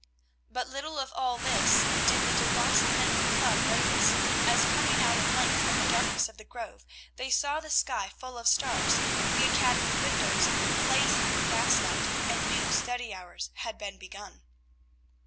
But little of all of this did this Demosthenic Club notice as, coming out at length from the darkness of the grove, they saw the sky full of stars, the academy windows blazing with gas light, and knew study hours had been begun.